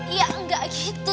ya enggak gitu